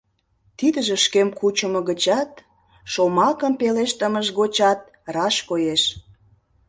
Тидыже шкем кучымо гычат, шомакым пелештымыж гочат раш коеш.